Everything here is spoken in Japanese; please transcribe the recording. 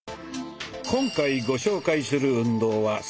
今回ご紹介する運動は３種類。